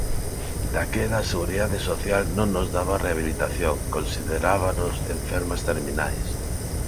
Daquela a Seguridade Social non nos daba rehabilitación, considerábanos enfermas terminais.